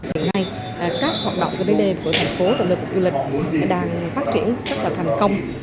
hiện nay các hoạt động về bến đêm của thành phố và lực lượng du lịch đang phát triển rất là thành công